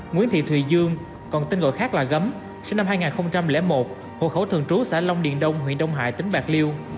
nguyễn thị thùy dương còn tên gọi khác là gấm sinh năm hai nghìn một hồ khẩu thường trú xã long điền đông huyện đông hải tỉnh bạc liêu